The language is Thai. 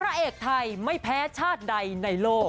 พระเอกไทยไม่แพ้ชาติใดในโลก